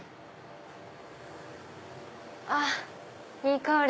あっいい香り！